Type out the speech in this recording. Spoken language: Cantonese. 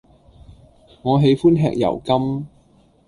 我喜歡吃油柑